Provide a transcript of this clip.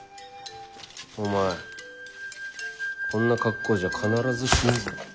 お前こんな格好じゃ必ず死ぬぞ。